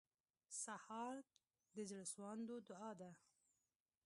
سهار د زړسواندو دعا ده.